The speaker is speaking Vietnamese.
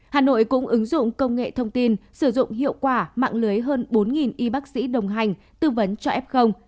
hà nội cũng ứng dụng công nghệ thông tin sử dụng hiệu quả mạng lưới hơn bốn y bác sĩ đồng hành tư vấn cho f